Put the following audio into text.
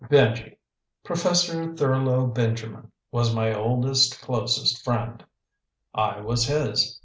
Benji Professor Thurlow Benjamin was my oldest, closest friend. I was his.